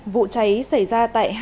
vụ cháy xảy ra tại